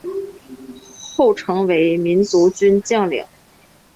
后成为民族军将领。